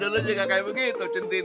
dulu juga kayak begitu